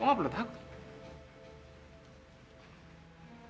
lo gak perlu takut